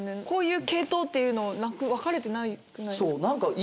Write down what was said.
こういう系統っていうのなく分かれてなくないですか？